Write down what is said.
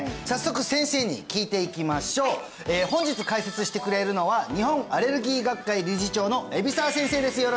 早速先生に聞いていきましょう本日解説してくれるのは日本アレルギー学会理事長の海老澤先生です